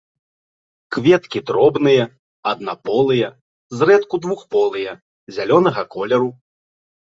Кветкі дробныя, аднаполыя, зрэдку двухполыя, зялёнага колеру.